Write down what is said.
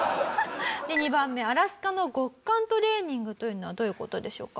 で２番目アラスカの極寒トレーニングというのはどういう事でしょうか？